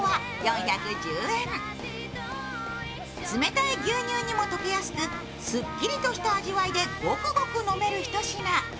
冷たい牛乳にも溶けやすくすっきりとした味わいでごくごく飲めるひと品。